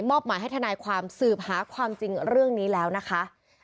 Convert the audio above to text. อบหมายให้ทนายความสืบหาความจริงเรื่องนี้แล้วนะคะ